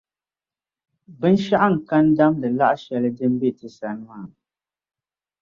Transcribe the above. Binshɛɣu n-kani damdi laɣ' shɛli di be ti sani maa.